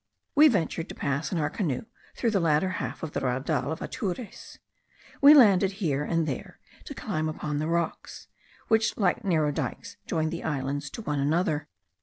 We ventured to pass in our canoe through the latter half of the Raudal of Atures. We landed here and there, to climb upon the rocks, which like narrow dikes joined the islands to one another.